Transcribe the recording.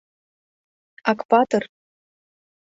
АКПАТЫР